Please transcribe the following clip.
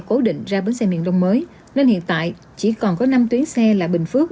cố định ra bến xe miền đông mới nên hiện tại chỉ còn có năm tuyến xe là bình phước